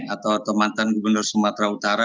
atau mantan gubernur sumatera utara